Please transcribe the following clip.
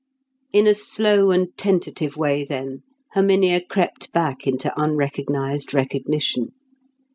In a slow and tentative way, then, Herminia crept back into unrecognised recognition.